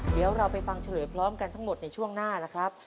เดี๋ยวเราไปฟังเฉลยพร้อมกันทั้งหมดในช่วงหน้านะครับ